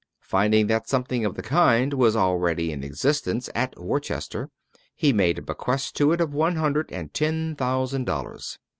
Finding that something of the kind was already in existence at Worcester, he made a bequest to it of one hundred and ten thousand dollars.